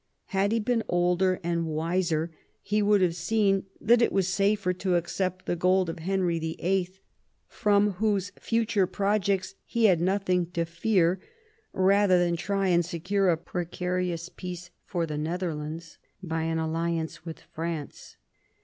Had he been older and wiser he would have seen that it was safer to accept the gold of Henry VIII., from whose future projects he had nothing to fear, rather than try and secure a precarious peace for the Netherlands by an alliance with France.